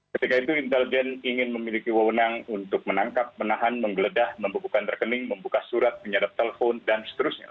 ketika itu intelijen ingin memiliki wewenang untuk menangkap menahan menggeledah membubukan rekening membuka surat menyadap telepon dan seterusnya